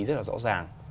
rất là rõ ràng